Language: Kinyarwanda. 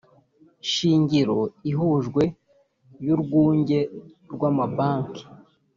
shingiro ihujwe y urwunge rw amabanki